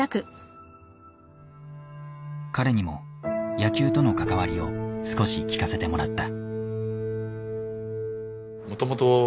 彼にも野球との関わりを少し聞かせてもらった。